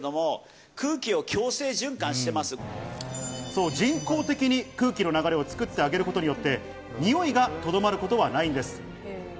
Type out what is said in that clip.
そう、人工的に空気の流れを作ってあげることによってにおいがとどまることはないんです。